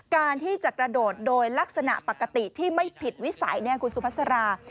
การที่จะกระโดดโดยลักษณะปกติที่ไม่ผิดวิสัยคุณสุภาษารา